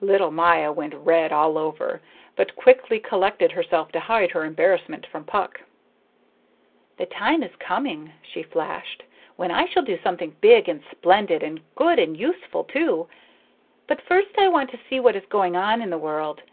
Little Maya went red all over, but quickly collected herself to hide her embarrassment from Puck. "The time is coming," she flashed, "when I shall do something big and splendid, and good and useful too. But first I want to see what is going on in the world.